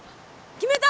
決めた！